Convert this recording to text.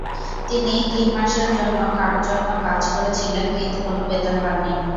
তিনি তিন মাসের জন্য কারও জন্য কাজ করেছিলেন কিন্তু কোনও বেতন পাননি।